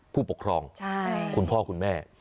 ผู้ปกครองคุณพ่อคุณแม่